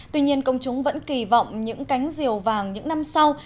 tuy nhiên công chúng vẫn kỳ vọng những cánh diều vàng những năm sau